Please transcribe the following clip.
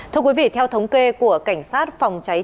thưa quý vị theo thống kê của cảnh sát phòng trải nghiệm